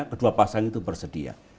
kedua pasang itu bersedia